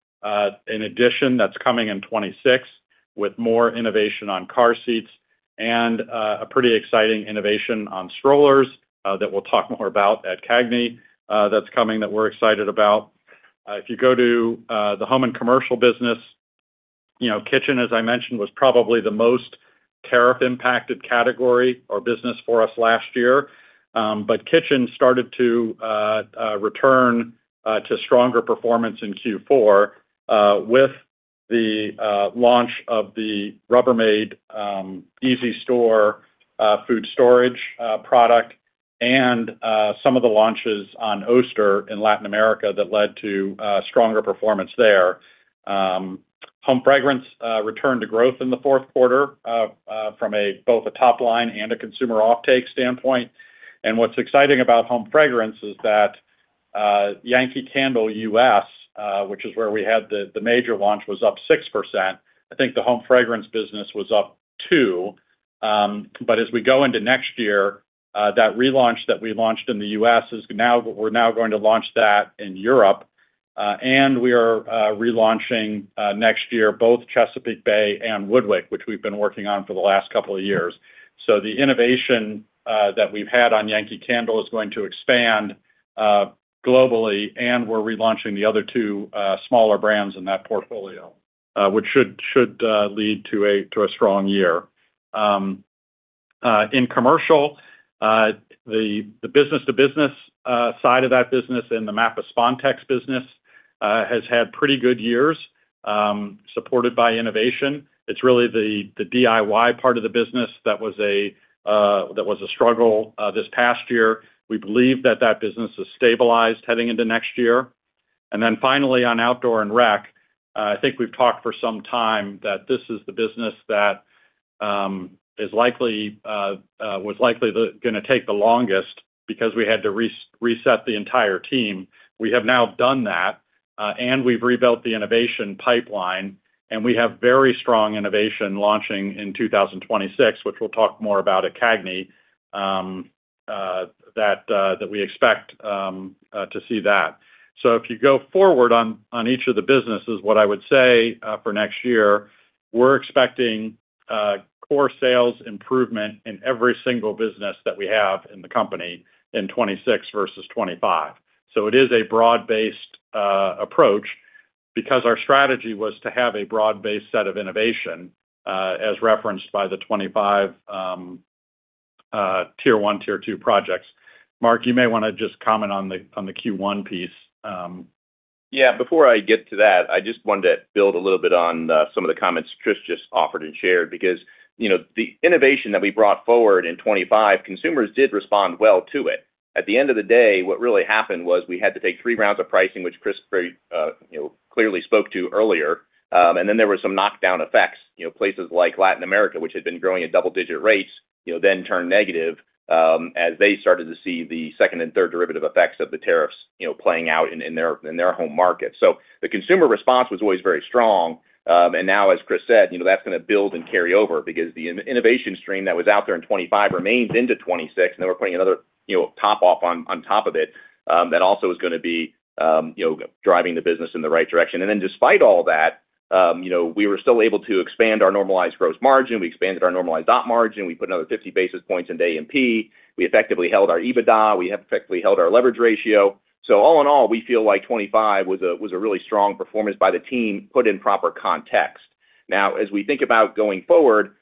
in addition that's coming in 2026 with more innovation on car seats and a pretty exciting innovation on strollers that we'll talk more about at CAGNY that's coming that we're excited about. If you go to the Home and Commercial business, Kitchen, as I mentioned, was probably the most tariff-impacted category or business for us last year. But Kitchen started to return to stronger performance in Q4 with the launch of the Rubbermaid EasyStore food storage product and some of the launches on Oster in Latin America that led to stronger performance there. Home Fragrance returned to growth in the Q4 from both a top-line and a consumer offtake standpoint. What's exciting about Home Fragrance is that Yankee Candle US, which is where we had the major launch, was up 6%. I think the Home Fragrance business was up 2%. But as we go into next year, that relaunch that we launched in the US is now, we're now going to launch that in Europe. We are relaunching next year both Chesapeake Bay and WoodWick, which we've been working on for the last couple of years. So the innovation that we've had on Yankee Candle is going to expand globally. And we're relaunching the other two smaller brands in that portfolio, which should lead to a strong year. In Commercial, the business-to-business side of that business and the Mapa Spontex business has had pretty good years supported by innovation. It's really the DIY part of the business that was a struggle this past year. We believe that that business is stabilized heading into next year. And then finally, on Outdoor and Rec, I think we've talked for some time that this is the business that was likely going to take the longest because we had to reset the entire team. We have now done that. And we've rebuilt the innovation pipeline. We have very strong innovation launching in 2026, which we'll talk more about at CAGNY that we expect to see that. So if you go forward on each of the businesses, what I would say for next year, we're expecting core sales improvement in every single business that we have in the company in 2026 versus 2025. So it is a broad-based approach because our strategy was to have a broad-based set of innovation as referenced by the 2025 Tier 1, Tier 2 projects. Mark, you may want to just comment on the Q1 piece. Yeah. Before I get to that, I just wanted to build a little bit on some of the comments Chris just offered and shared because the innovation that we brought forward in 2025, consumers did respond well to it. At the end of the day, what really happened was we had to take three rounds of pricing, which Chris clearly spoke to earlier. And then there were some knockdown effects. Places like Latin America, which had been growing at double-digit rates, then turned negative as they started to see the second and third derivative effects of the tariffs playing out in their home markets. So the consumer response was always very strong. And now, as Chris said, that's going to build and carry over because the innovation stream that was out there in 2025 remains into 2026. They were putting another top-off on top of it that also is going to be driving the business in the right direction. And then despite all that, we were still able to expand our normalized gross margin. We expanded our normalized op margin. We put another 50 basis points in A&P. We effectively held our EBITDA. We effectively held our leverage ratio. So all in all, we feel like 2025 was a really strong performance by the team put in proper context. Now, as we think about going forward,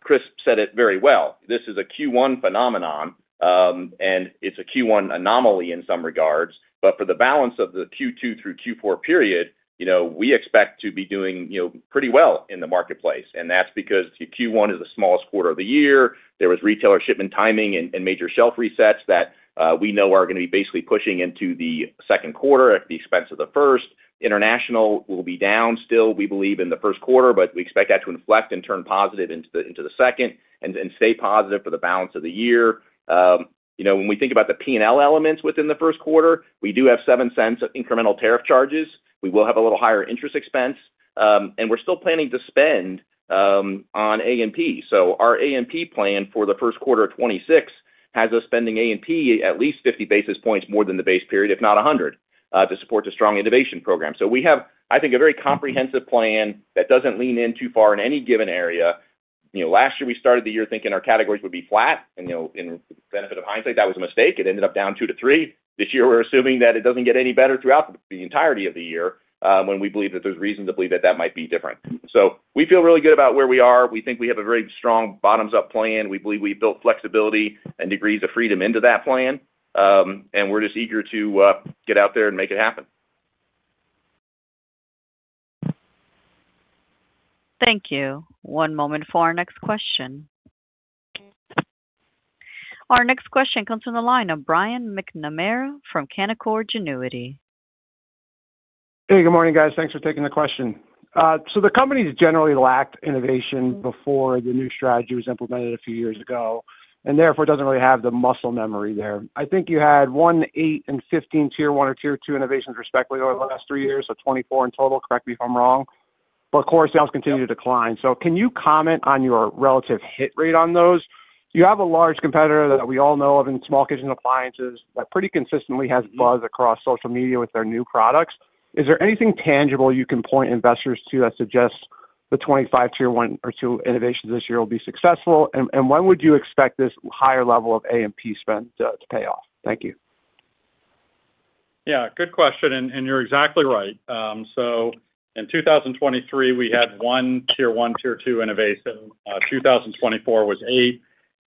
Chris said it very well. This is a Q1 phenomenon. And it's a Q1 anomaly in some regards. But for the balance of the Q2 through Q4 period, we expect to be doing pretty well in the marketplace. And that's because Q1 is the smallest quarter of the year. There was retailer shipment timing and major shelf resets that we know are going to be basically pushing into the Q2 at the expense of the first. International will be down still, we believe, in the Q1. But we expect that to inflect and turn positive into the second and stay positive for the balance of the year. When we think about the P&L elements within the Q1, we do have $0.07 of incremental tariff charges. We will have a little higher interest expense. And we're still planning to spend on A&P. So our A&P plan for the Q1 of 2026 has us spending A&P at least 50 basis points more than the base period, if not 100, to support the strong innovation program. So we have, I think, a very comprehensive plan that doesn't lean in too far in any given area. Last year, we started the year thinking our categories would be flat. With the benefit of hindsight, that was a mistake. It ended up down 2%-3%. This year, we're assuming that it doesn't get any better throughout the entirety of the year when we believe that there's reason to believe that that might be different. We feel really good about where we are. We think we have a very strong bottoms-up plan. We believe we've built flexibility and degrees of freedom into that plan. We're just eager to get out there and make it happen. Thank you. One moment for our next question. Our next question comes from the line of Brian McNamara from Canaccord Genuity. Hey. Good morning, guys. Thanks for taking the question. So the companies generally lacked innovation before the new strategy was implemented a few years ago and therefore doesn't really have the muscle memory there. I think you had 1%, 8%, and 15% tier one or tier two innovations, respectively, over the last three years, so 24% in total. Correct me if I'm wrong. But Core Sales continued to decline. So can you comment on your relative hit rate on those? You have a large competitor that we all know of in small kitchen appliances that pretty consistently has buzz across social media with their new products. Is there anything tangible you can point investors to that suggests the 2025 tier one or tier two innovations this year will be successful? And when would you expect this higher level of A&P spend to pay off? Thank you. Yeah. Good question. And you're exactly right. So in 2023, we had 1% Tier 1, Tier 2 innovation. 2024 was 8%.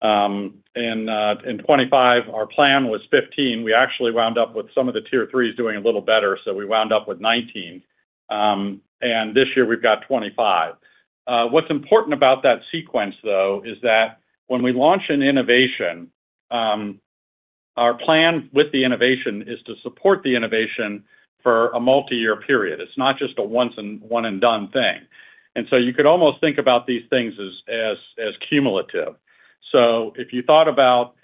And in 2025, our plan was 15%. We actually wound up with some of the Tier 3s doing a little better. So we wound up with 19%. And this year, we've got 25%. What's important about that sequence, though, is that when we launch an innovation, our plan with the innovation is to support the innovation for a multi-year period. It's not just a once-and-done thing. And so you could almost think about these things as cumulative. So if you thought about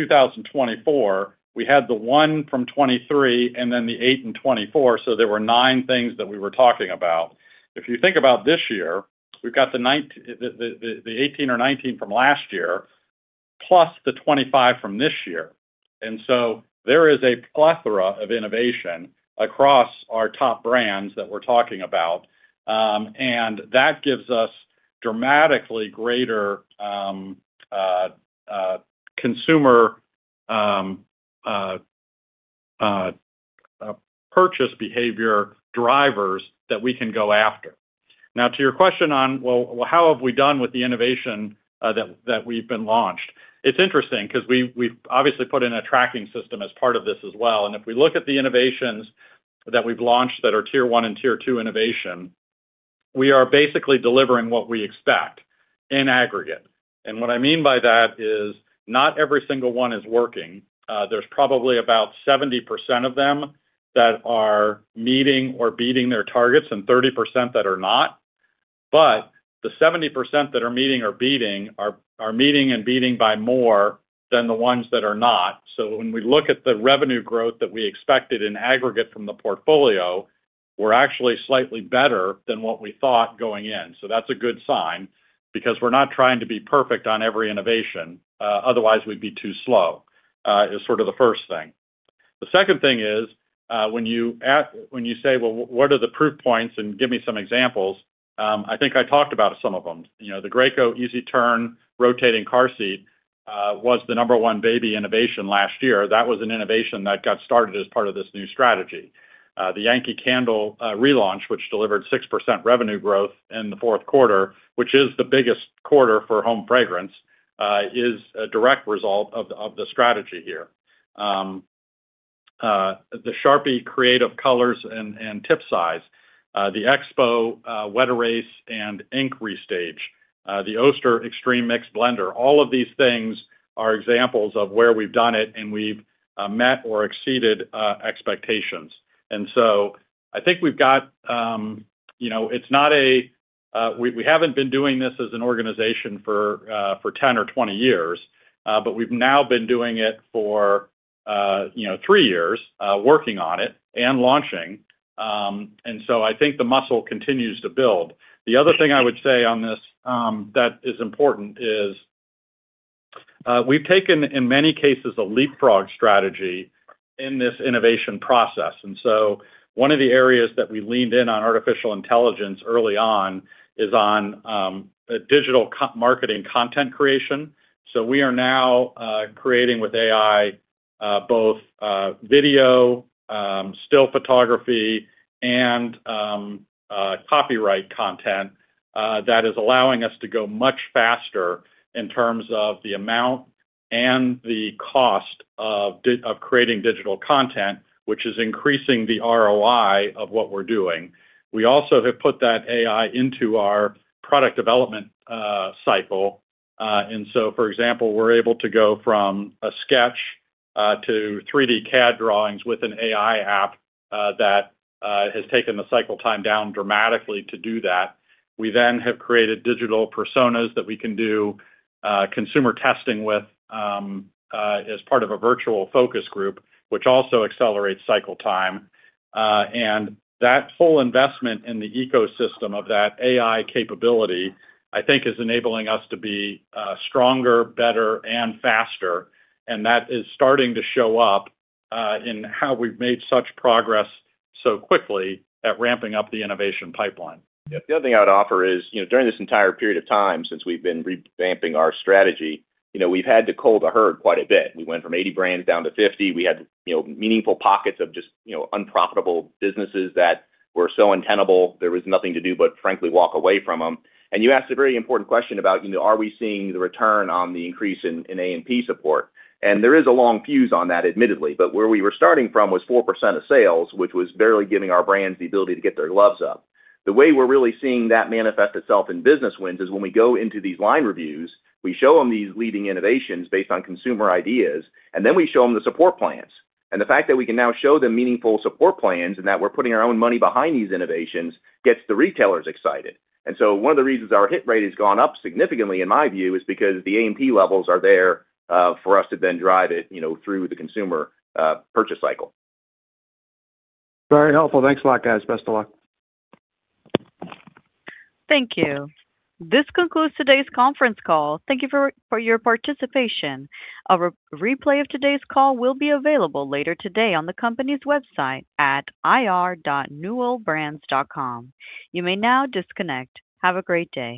2024, we had the 1% from 2023 and then the 8% in 2024. So there were nine things that we were talking about. If you think about this year, we've got the 18% or 19% from last year plus the 25% from this year. So there is a plethora of innovation across our top brands that we're talking about. And that gives us dramatically greater consumer purchase behavior drivers that we can go after. Now, to your question on, "Well, how have we done with the innovation that we've launched?" It's interesting because we've obviously put in a tracking system as part of this as well. And if we look at the innovations that we've launched that are Tier 1 and Tier 2 innovation, we are basically delivering what we expect in aggregate. And what I mean by that is not every single one is working. There's probably about 70% of them that are meeting or beating their targets and 30% that are not. But the 70% that are meeting or beating are meeting and beating by more than the ones that are not. So when we look at the revenue growth that we expected in aggregate from the portfolio, we're actually slightly better than what we thought going in. So that's a good sign because we're not trying to be perfect on every innovation. Otherwise, we'd be too slow is sort of the first thing. The second thing is when you say, "Well, what are the proof points? And give me some examples." I think I talked about some of them. The Graco Turn2Me rotating car seat was the number one Baby innovation last year. That was an innovation that got started as part of this new strategy. The Yankee Candle relaunch, which delivered 6% revenue growth in the Q4, which is the biggest quarter for Home Fragrance, is a direct result of the strategy here. The Sharpie Creative colors and tip size, the Expo Wet Erase and ink restage, the Oster Extreme Mix Blender, all of these things are examples of where we've done it and we've met or exceeded expectations. I think we've got it's not a we haven't been doing this as an organization for 10 or 20 years. We've now been doing it for three years, working on it and launching. I think the muscle continues to build. The other thing I would say on this that is important is we've taken, in many cases, a leapfrog strategy in this innovation process. One of the areas that we leaned in on artificial intelligence early on is on digital marketing content creation. So we are now creating with AI both video, still photography, and copyright content that is allowing us to go much faster in terms of the amount and the cost of creating digital content, which is increasing the ROI of what we're doing. We also have put that AI into our product development cycle. And so, for example, we're able to go from a sketch to 3D CAD drawings with an AI app that has taken the cycle time down dramatically to do that. We then have created digital personas that we can do consumer testing with as part of a virtual focus group, which also accelerates cycle time. And that whole investment in the ecosystem of that AI capability, I think, is enabling us to be stronger, better, and faster. That is starting to show up in how we've made such progress so quickly at ramping up the innovation pipeline. Yeah. The other thing I would offer is during this entire period of time since we've been revamping our strategy, we've had to cull the herd quite a bit. We went from 80 brands down to 50. We had meaningful pockets of just unprofitable businesses that were so untenable there was nothing to do but, frankly, walk away from them. And you asked a very important question about, "Are we seeing the return on the increase in A&P support?" And there is a long fuse on that, admittedly. But where we were starting from was 4% of sales, which was barely giving our brands the ability to get their gloves up. The way we're really seeing that manifest itself in business wins is when we go into these line reviews, we show them these leading innovations based on consumer ideas. And then we show them the support plans. The fact that we can now show them meaningful support plans and that we're putting our own money behind these innovations gets the retailers excited. So one of the reasons our hit rate has gone up significantly, in my view, is because the A&P levels are there for us to then drive it through the consumer purchase cycle. Very helpful. Thanks a lot, guys. Best of luck. Thank you. This concludes today's conference call. Thank you for your participation. A replay of today's call will be available later today on the company's website at ir.newellbrands.com. You may now disconnect. Have a great day.